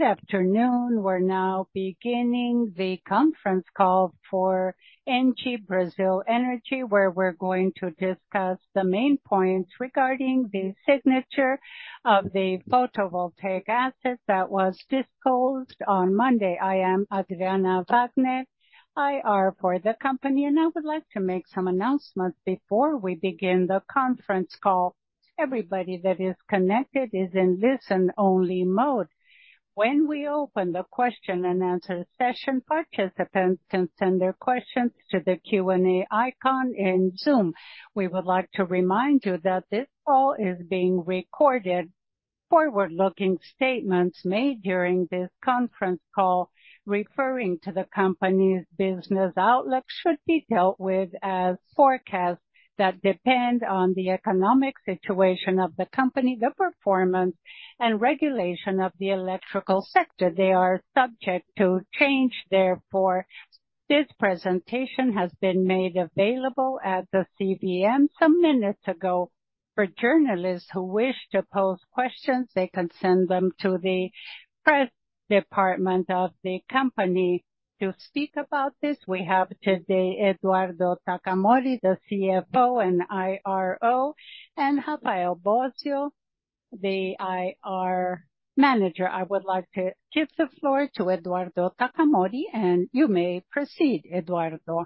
Good afternoon. We're now beginning the conference call for ENGIE Brasil Energia, where we're going to discuss the main points regarding the signature of the photovoltaic asset that was disclosed on Monday. I am Adriana Wagner, IR for the company, and I would like to make some announcements before we begin the conference call. Everybody that is connected is in listen only mode. When we open the question and answer session, participants can send their questions to the Q&A icon in Zoom. We would like to remind you that this call is being recorded. Forward-looking statements made during this conference call, referring to the company's business outlook, should be dealt with as forecasts that depend on the economic situation of the company, the performance and regulation of the electrical sector. They are subject to change, therefore, this presentation has been made available at the CVM some minutes ago. For journalists who wish to pose questions, they can send them to the press department of the company. To speak about this, we have today Eduardo Takamori, the CFO and IRO, and Rafael Bósio, the IR Manager. I would like to give the floor to Eduardo Takamori, and you may proceed, Eduardo.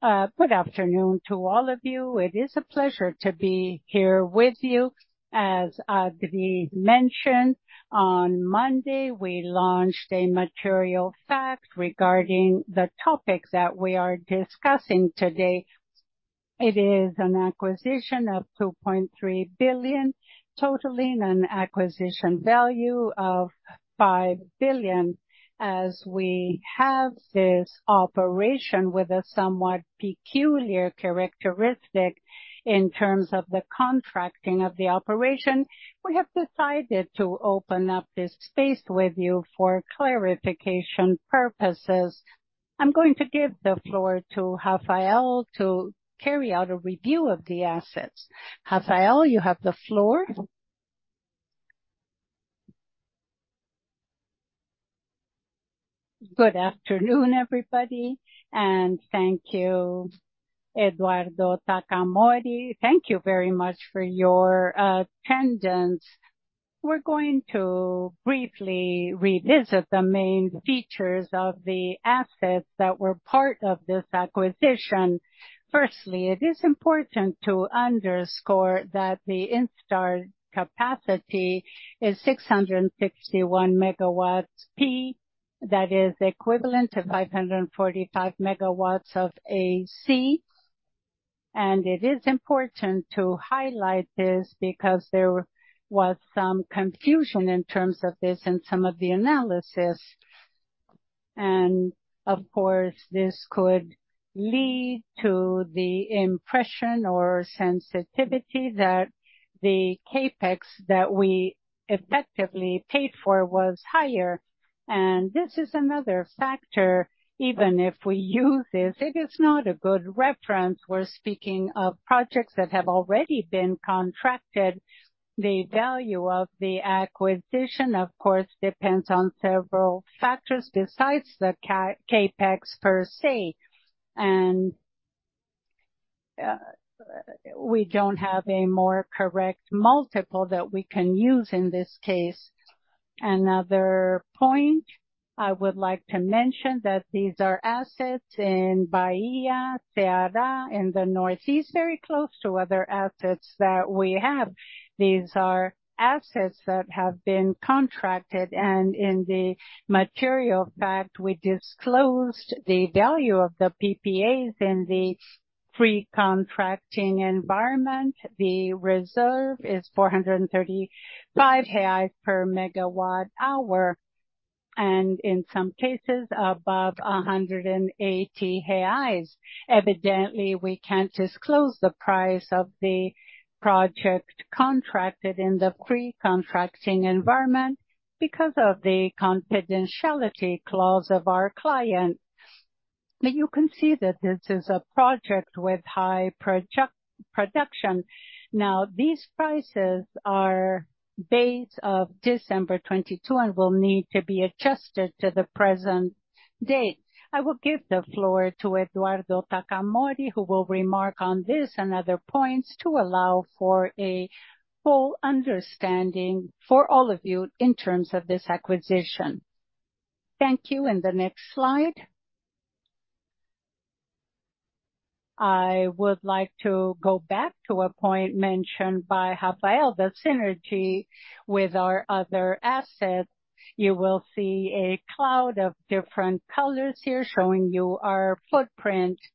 Good afternoon to all of you. It is a pleasure to be here with you. As Adriana mentioned, on Monday, we launched a material fact regarding the topic that we are discussing today. It is an acquisition of 2.3 billion, totaling an acquisition value of 5 billion. As we have this operation with a somewhat peculiar characteristic in terms of the contracting of the operation, we have decided to open up this space with you for clarification purposes. I'm going to give the floor to Rafael to carry out a review of the assets. Rafael, you have the floor. Good afternoon, everybody, and thank you, Eduardo Takamori. Thank you very much for your attendance. We're going to briefly revisit the main features of the assets that were part of this acquisition. Firstly, it is important to underscore that the installed capacity is 661 MWp, that is equivalent to 545 MWac. It is important to highlight this because there was some confusion in terms of this and some of the analysis. Of course, this could lead to the impression or sensitivity that the CapEx that we effectively paid for was higher. This is another factor, even if we use this, it is not a good reference. We're speaking of projects that have already been contracted. The value of the acquisition, of course, depends on several factors besides the CapEx per se, and we don't have a more correct multiple that we can use in this case. Another point, I would like to mention that these are assets in Bahia, Ceará, in the Northeast, very close to other assets that we have. These are assets that have been contracted, and in the material fact, we disclosed the value of the PPAs in the free contracting environment. The reserve is 435 reais per megawatt hour, and in some cases above 180 reais. Evidently, we can't disclose the price of the project contracted in the pre-contracting environment because of the confidentiality clause of our client. But you can see that this is a project with high production. Now, these prices are based on December 2022 and will need to be adjusted to the present date. I will give the floor to Eduardo Takamori, who will remark on this and other points to allow for a full understanding for all of you in terms of this acquisition. Thank you, and the next slide. I would like to go back to a point mentioned by Rafael, the synergy with our other assets. You will see a cloud of different colors here, showing you our footprints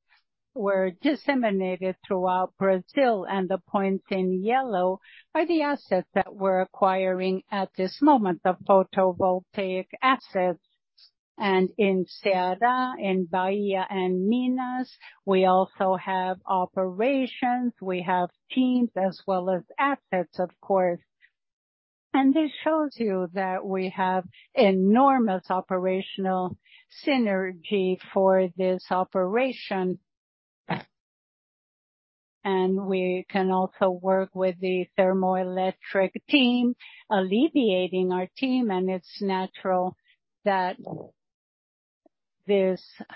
were disseminated throughout Brazil, and the points in yellow are the assets that we're acquiring at this moment, the photovoltaic assets. And in Ceará, in Bahia and Minas, we also have operations. We have teams as well as assets, of course. And this shows you that we have enormous operational synergy for this operation... We can also work with the thermoelectric team, alleviating our team, and it's natural that this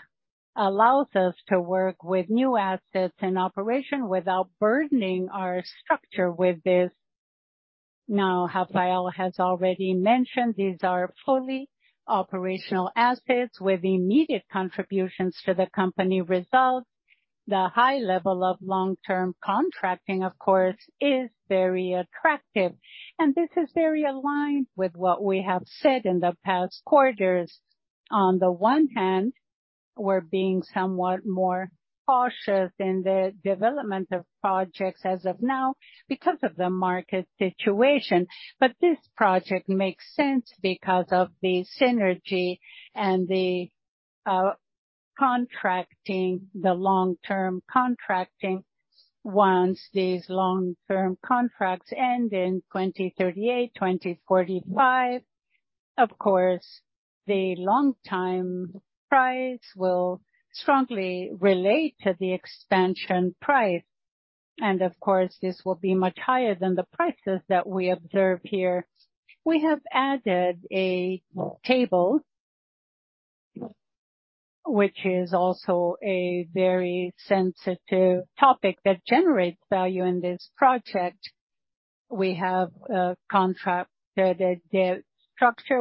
allows us to work with new assets and operation without burdening our structure with this. Now, Rafael has already mentioned these are fully operational assets with immediate contributions to the company results. The high level of long-term contracting, of course, is very attractive, and this is very aligned with what we have said in the past quarters. On the one hand, we're being somewhat more cautious in the development of projects as of now because of the market situation. But this project makes sense because of the synergy and the contracting, the long-term contracting. Once these long-term contracts end in 2038, 2045, of course, the long time price will strongly relate to the expansion price. Of course, this will be much higher than the prices that we observe here. We have added a table, which is also a very sensitive topic that generates value in this project. We have contracted the structure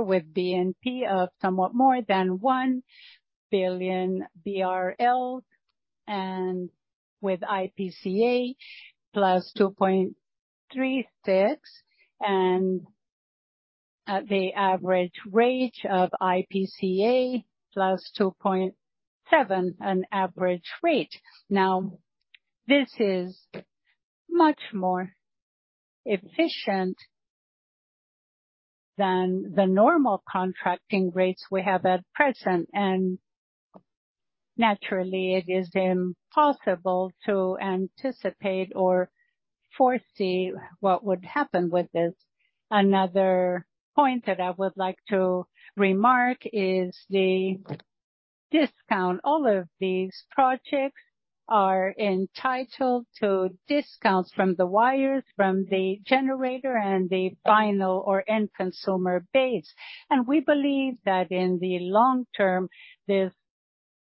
with BNP of somewhat more than 1 billion BRL and with IPCA + 2.36, and at the average rate of IPCA + 2.7, an average rate. Now, this is much more efficient than the normal contracting rates we have at present, and naturally, it is impossible to anticipate or foresee what would happen with this. Another point that I would like to remark is the discount. All of these projects are entitled to discounts from the wires, from the generator and the final or end consumer base. And we believe that in the long term, this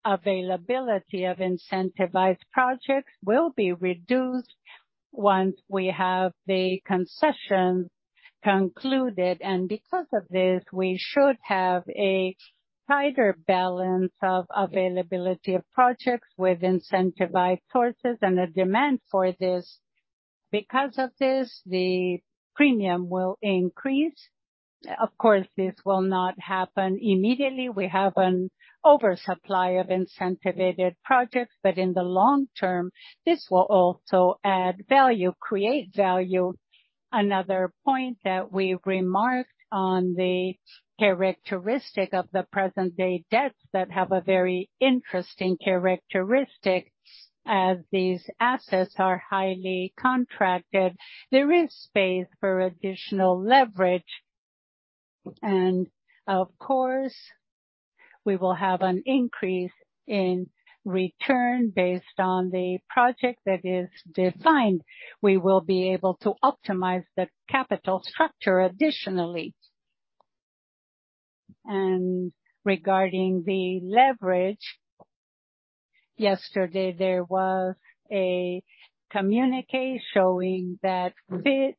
availability of incentivized projects will be reduced once we have the concession concluded. Because of this, we should have a tighter balance of availability of projects with incentivized sources and a demand for this. Because of this, the premium will increase. Of course, this will not happen immediately. We have an oversupply of incentivized projects, but in the long term, this will also add value, create value. Another point that we remarked on the characteristic of the present-day debts that have a very interesting characteristic. As these assets are highly contracted, there is space for additional leverage. And of course, we will have an increase in return based on the project that is defined. We will be able to optimize the capital structure additionally. And regarding the leverage, yesterday, there was a communiqué showing that Fitch Ratings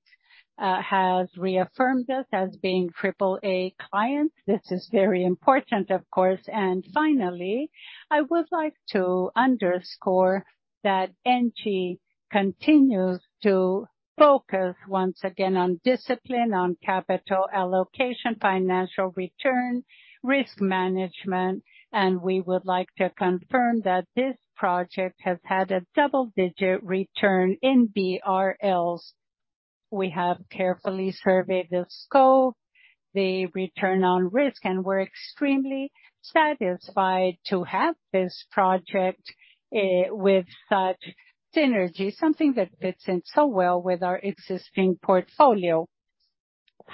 has reaffirmed our AAA rating. This is very important, of course. Finally, I would like to underscore that ENGIE continues to focus once again on discipline, on capital allocation, financial return, risk management, and we would like to confirm that this project has had a double-digit return in BRLs. We have carefully surveyed the scope, the return on risk, and we're extremely satisfied to have this project with such synergy, something that fits in so well with our existing portfolio.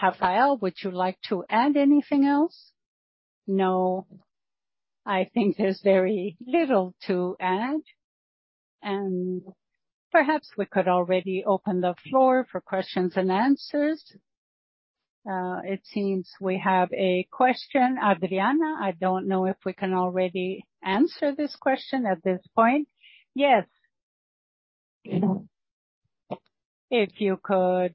Rafael, would you like to add anything else? No, I think there's very little to add, and perhaps we could already open the floor for questions and answers. It seems we have a question. Adriana, I don't know if we can already answer this question at this point. Yes. If you could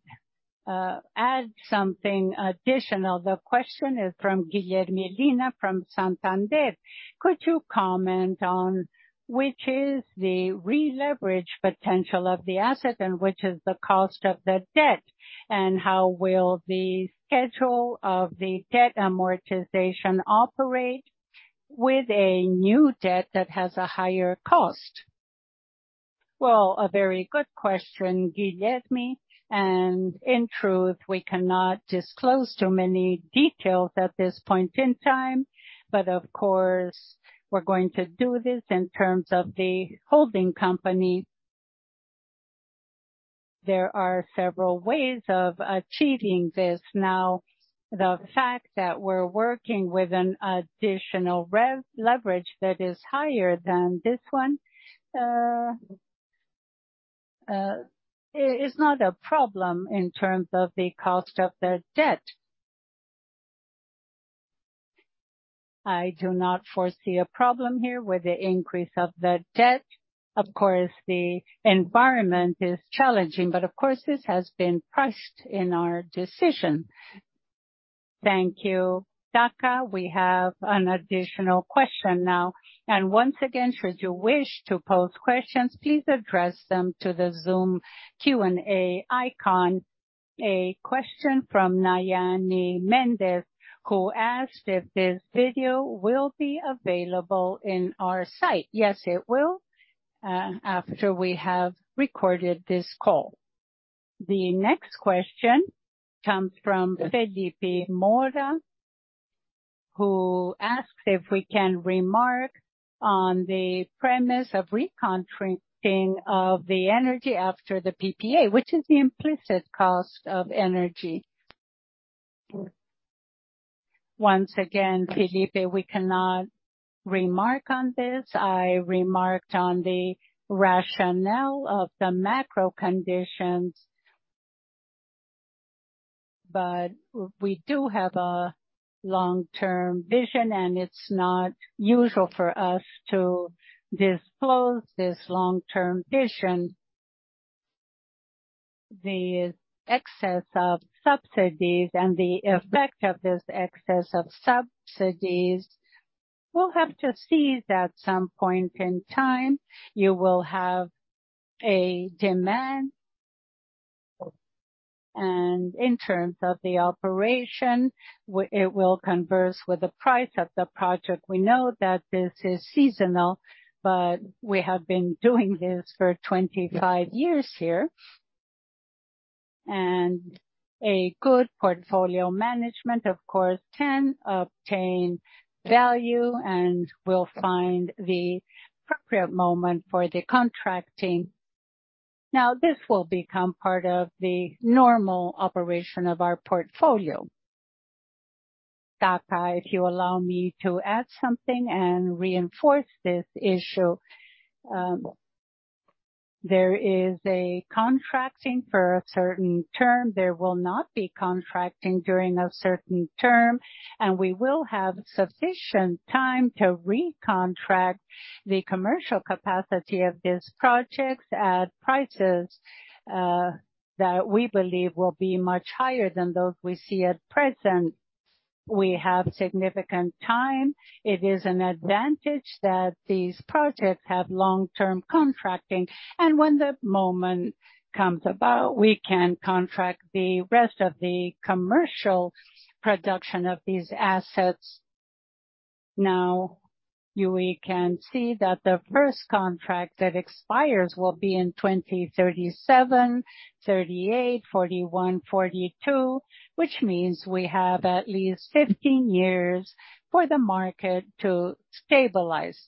add something additional. The question is from Guilherme Lima, from Santander: Could you comment on which is the re-leverage potential of the asset and which is the cost of the debt, and how will the schedule of the debt amortization operate with a new debt that has a higher cost? Well, a very good question, Guilherme, and in truth, we cannot disclose too many details at this point in time, but of course, we're going to do this in terms of the holding company. There are several ways of achieving this. Now, the fact that we're working with an additional re-leverage that is higher than this one is not a problem in terms of the cost of the debt. I do not foresee a problem here with the increase of the debt. Of course, the environment is challenging, but of course, this has been priced in our decision. Thank you, Taka. We have an additional question now, and once again, should you wish to pose questions, please address them to the Zoom Q&A icon. A question from Naiana Mendes, who asked if this video will be available in our site. Yes, it will, after we have recorded this call. The next question comes from Felipe Moura, who asks if we can remark on the premise of recontracting of the energy after the PPA, which is the implicit cost of energy. Once again, Felipe, we cannot remark on this. I remarked on the rationale of the macro conditions, but we do have a long-term vision, and it's not usual for us to disclose this long-term vision. The excess of subsidies and the effect of this excess of subsidies, we'll have to see that at some point in time, you will have a demand, and in terms of the operation, it will converse with the price of the project. We know that this is seasonal, but we have been doing this for 25 years here. A good portfolio management, of course, can obtain value, and we'll find the appropriate moment for the contracting. Now, this will become part of the normal operation of our portfolio. Taka, if you allow me to add something and reinforce this issue, there is a contracting for a certain term. There will not be contracting during a certain term, and we will have sufficient time to recontract the commercial capacity of these projects at prices that we believe will be much higher than those we see at present. We have significant time. It is an advantage that these projects have long-term contracting, and when the moment comes about, we can contract the rest of the commercial production of these assets. Now, you—we can see that the first contract that expires will be in 2037, 2038, 2041, 2042, which means we have at least 15 years for the market to stabilize.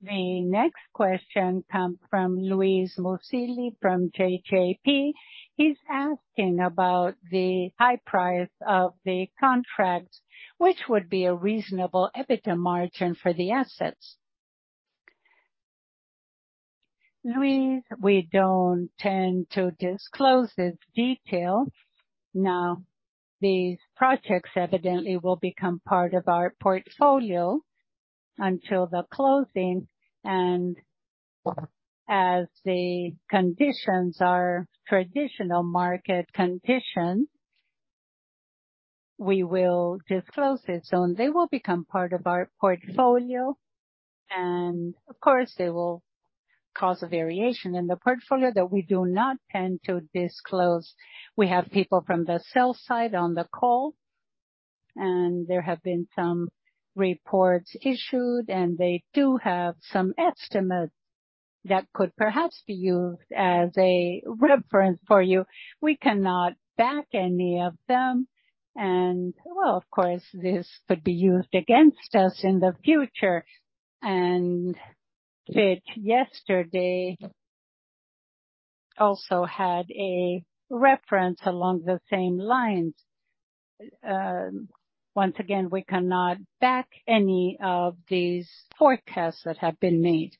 The next question come from Luís Mussili from JGP. He's asking about the high price of the contracts, which would be a reasonable EBITDA margin for the assets. Luís, we don't tend to disclose this detail. Now, these projects evidently will become part of our portfolio until the closing, and as the conditions are traditional market conditions, we will disclose it. So they will become part of our portfolio, and of course, they will cause a variation in the portfolio that we do not tend to disclose. We have people from the sales side on the call, and there have been some reports issued, and they do have some estimates that could perhaps be used as a reference for you. We cannot back any of them, and, well, of course, this could be used against us in the future. And Fitch yesterday also had a reference along the same lines. Once again, we cannot back any of these forecasts that have been made.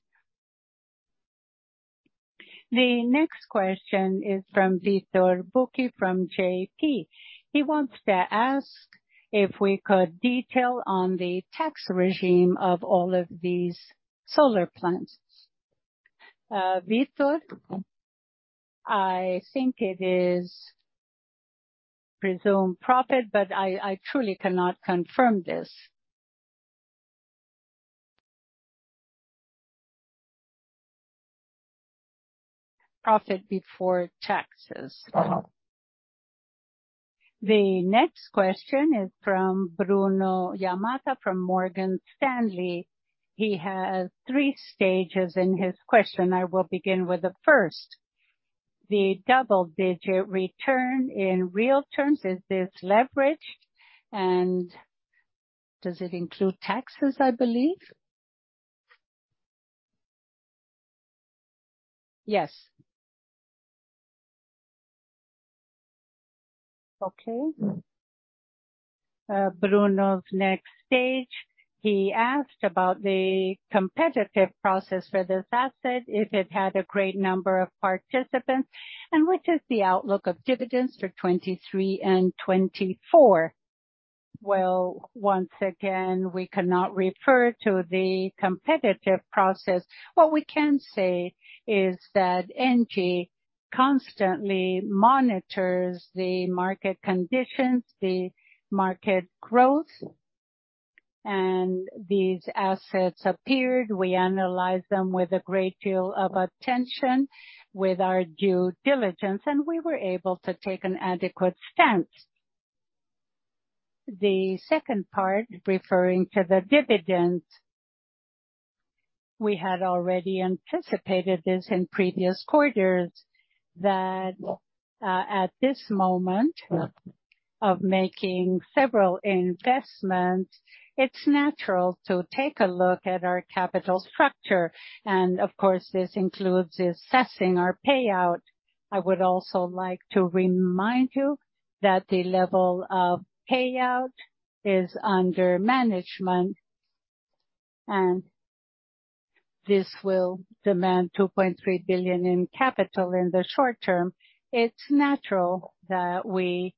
The next question is from Victor Buchi, from JP. He wants to ask if we could detail on the tax regime of all of these solar plants. Victor, I think it is presumed profit, but I, I truly cannot confirm this. Profit before taxes. The next question is from Bruno Oyamata, from Morgan Stanley. He has three stages in his question. I will begin with the first. The double digit return in real terms, is this leveraged? And does it include taxes, I believe? Yes. Okay. Bruno's next stage, he asked about the competitive process for this asset, if it had a great number of participants, and which is the outlook of dividends for 2023 and 2024. Well, once again, we cannot refer to the competitive process. What we can say is that ENGIE constantly monitors the market conditions, the market growth, and these assets appeared. We analyzed them with a great deal of attention, with our due diligence, and we were able to take an adequate stance. The second part, referring to the dividend, we had already anticipated this in previous quarters, that, at this moment of making several investments, it's natural to take a look at our capital structure, and of course, this includes assessing our payout. I would also like to remind you that the level of payout is under management, and this will demand 2.3 billion in capital in the short term. It's natural that we,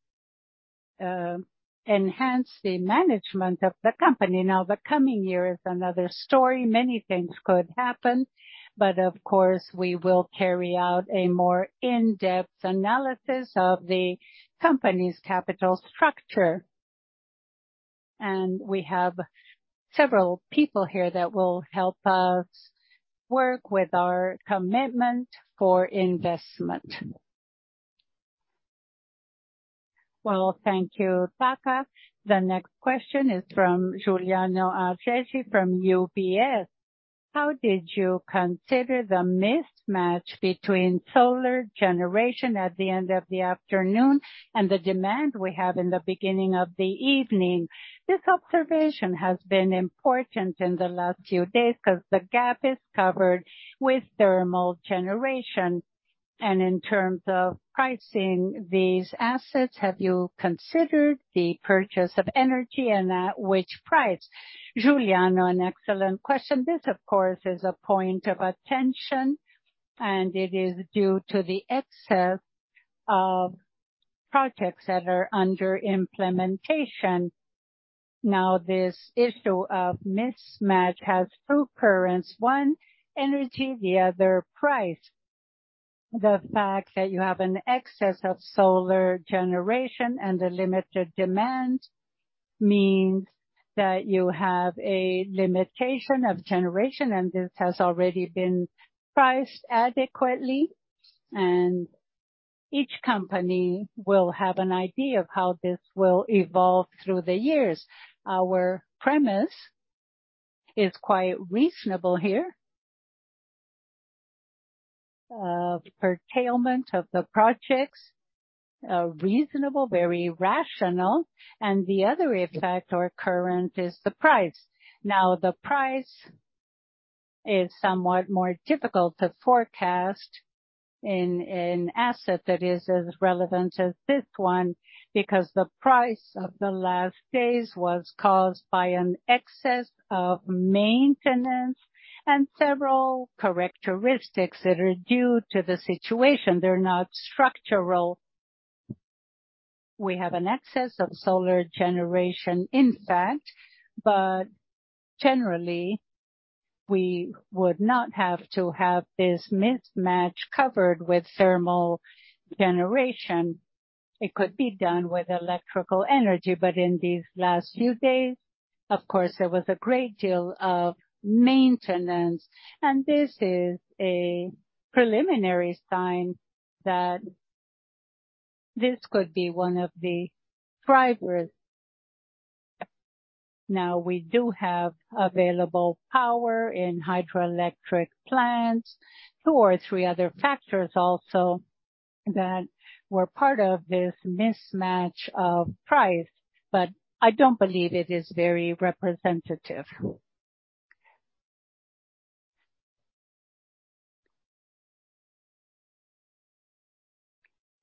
enhance the management of the company. Now, the coming year is another story. Many things could happen, but of course, we will carry out a more in-depth analysis of the company's capital structure. And we have several people here that will help us work with our commitment for investment. Well, thank you, Taka. The next question is from Giuliano Ajeje from UBS. How did you consider the mismatch between solar generation at the end of the afternoon and the demand we have in the beginning of the evening? This observation has been important in the last few days, because the gap is covered with thermal generation. And in terms of pricing these assets, have you considered the purchase of energy and at which price? Giuliano, an excellent question. This, of course, is a point of attention, and it is due to the excess of projects that are under implementation. Now, this issue of mismatch has two currents, one, energy, the other, price. The fact that you have an excess of solar generation and a limited demand means that you have a limitation of generation, and this has already been priced adequately, and each company will have an idea of how this will evolve through the years. Our premise is quite reasonable here. Curtailment of the projects, reasonable, very rational, and the other effect or current is the price. Now, the price is somewhat more difficult to forecast in an asset that is as relevant as this one, because the price of the last days was caused by an excess of maintenance and several characteristics that are due to the situation. They're not structural. We have an excess of solar generation, in fact, but generally, we would not have to have this mismatch covered with thermal generation. It could be done with electrical energy, but in these last few days, of course, there was a great deal of maintenance, and this is a preliminary sign that this could be one of the drivers. Now, we do have available power in hydroelectric plants, two or three other factors also that were part of this mismatch of price, but I don't believe it is very representative.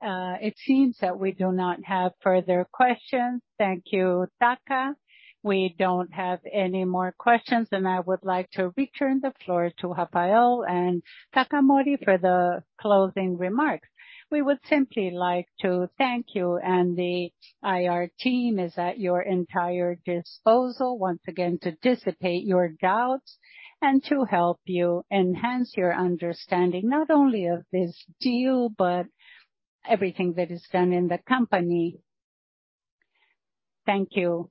It seems that we do not have further questions. Thank you, Taka. We don't have any more questions, and I would like to return the floor to Rafael and Takamori for the closing remarks. We would simply like to thank you, and the IR team is at your entire disposal, once again, to dissipate your doubts and to help you enhance your understanding, not only of this deal, but everything that is done in the company. Thank you.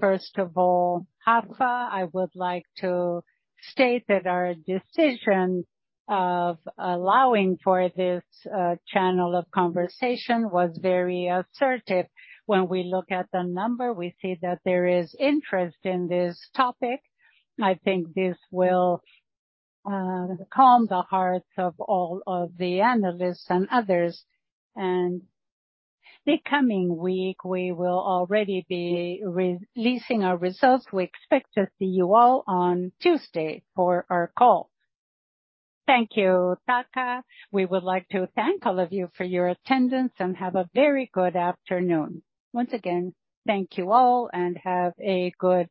First of all, Rafa, I would like to state that our decision of allowing for this channel of conversation was very assertive. When we look at the number, we see that there is interest in this topic. I think this will calm the hearts of all of the analysts and others. The coming week, we will already be re-releasing our results. We expect to see you all on Tuesday for our call. Thank you, Taka. We would like to thank all of you for your attendance, and have a very good afternoon. Once again, thank you all, and have a good day.